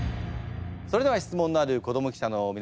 それでは質問のある子ども記者のみなさま